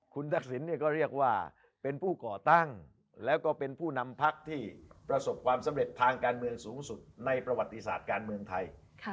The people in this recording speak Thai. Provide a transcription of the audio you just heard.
คุณทักษิณก็เรียกว่าเป็นผู้ก่อตั้งแล้วก็เป็นผู้นำพักที่ประสบความสำเร็จทางการเมืองสูงสุดในประวัติศาสตร์การเมืองไทย